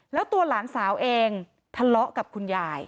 แล้วตัวหลานสาวเองทะเลาะกับคุณยาย